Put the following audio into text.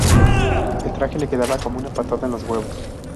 El traje le quedaba como una patada en los huevos